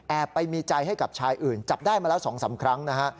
ไปมีใจให้กับชายอื่นจับได้มาแล้ว๒๓ครั้งนะฮะ